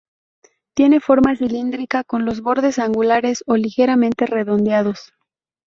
Tiene forma cilíndrica, con los bordes angulares o ligeramente redondeados.